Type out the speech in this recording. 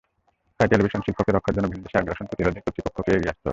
তাই টেলিভিশনশিল্পকে রক্ষার জন্য ভিনদেশি আগ্রাসন প্রতিরোধে কর্তৃপক্ষকেও এগিয়ে আসতে হবে।